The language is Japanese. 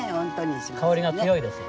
香りが強いですよ。